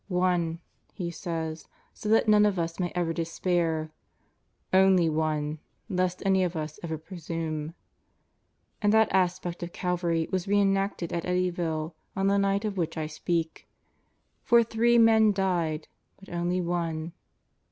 "One" he says, "so that none of us may ever despair; only one, lest any of us ever presume." And that aspect of Calvary was re enacted at Eddyville on the night of which I speak; for three men died, but only one